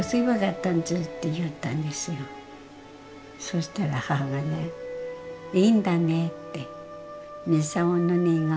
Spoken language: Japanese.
そしたら母がね「いいんだね」って。